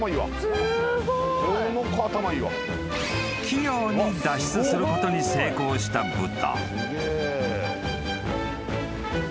［器用に脱出することに成功した豚］